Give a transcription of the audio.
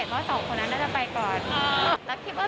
คุณไม่น่าทันค่ะ